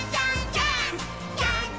ジャンプ！！」